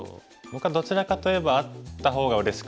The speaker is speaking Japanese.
僕はどちらかといえばあった方がうれしかったですね。